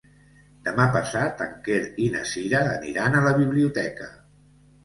Demà passat en Quer i na Cira aniran a la biblioteca.